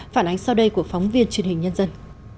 phản ánh sau đây của phóng viên truyền hình nhân dân